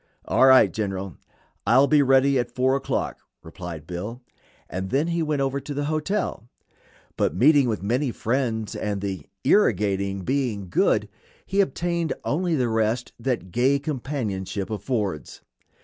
"All right, General; I'll be ready at 4 o'clock," replied Bill, and then he went over to the hotel; but meeting with many friends, and the "irrigating" being good, he obtained only the rest that gay companionship affords.